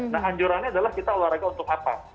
nah anjurannya adalah kita olahraga untuk apa